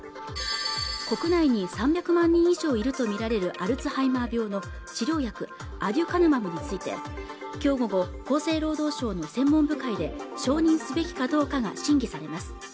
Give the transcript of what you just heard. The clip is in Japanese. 国内に３００万人以上いるとみられるアルツハイマー病の治療薬アデュカヌマブについて今日午後、厚生労働省の専門部会で承認すべきかどうかが審議されます